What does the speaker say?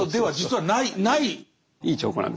はい。